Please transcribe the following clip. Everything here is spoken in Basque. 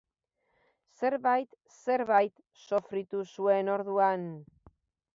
Zerbait zerbait sofritu zuen orduan...